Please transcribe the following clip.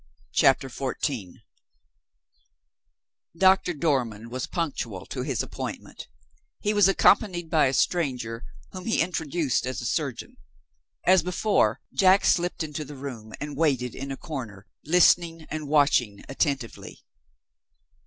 CHAPTER XIV Doctor Dormann was punctual to his appointment. He was accompanied by a stranger, whom he introduced as a surgeon. As before, Jack slipped into the room, and waited in a corner, listening and watching attentively.